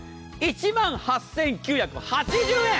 １万８９８０円。